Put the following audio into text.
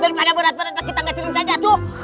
berarti kita berat berat kita gak cilin saja atu